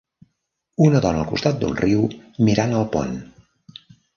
Una dona al costat d'un riu mirant el pont.